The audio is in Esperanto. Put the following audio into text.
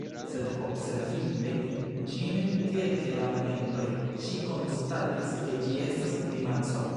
Sed observinte ĝin kelke da momentoj, ŝi konstatis ke ĝi estas grimaco.